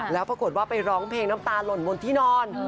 แล้วปรากฏว่าไปร้องเพลงน้ำตาหล่นบนที่นอน